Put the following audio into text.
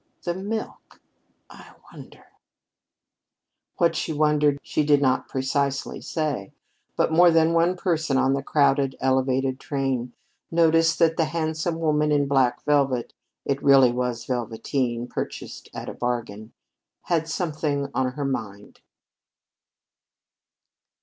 The milk! I wonder " What she wondered she did not precisely say; but more than one person on the crowded elevated train noticed that the handsome woman in black velvet (it really was velveteen, purchased at a bargain) had something on her mind.